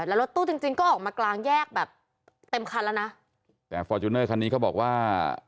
แล้วรถตู้จริงจริงก็ออกมากลางแยกแบบเต็มคันแล้วนะแต่ฟอร์จูเนอร์คันนี้เขาบอกว่า